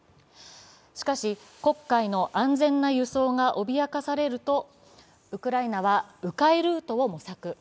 しかし、黒海の安全な輸送が脅かされると、ウクライナは、う回ルートを模索。